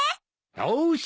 よし！